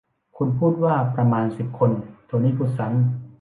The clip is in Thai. คุณพูดว่าประมาณสิบคนโทนี่พูดซ้ำ